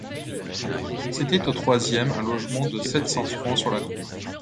C'était au troisième, un logement de sept cents francs, sur la cour.